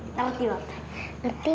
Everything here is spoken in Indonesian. kita udah ngerti